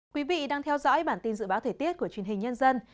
quý vị đang theo dõi bản tin dự báo thời tiết của truyền hình nhân dân